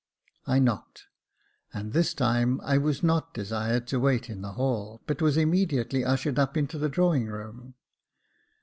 I knocked ; and this time I was not desired to wait in the hall, but was immediately ushered up into the drawing room.